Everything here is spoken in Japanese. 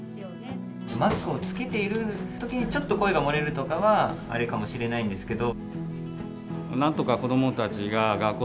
マスクをつけている時にちょっと声が漏れるとかはあれかもしれないんですけど。